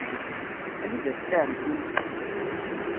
Anida tella ɛemmti-m?